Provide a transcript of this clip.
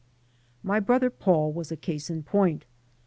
My brother Paul was a case in point.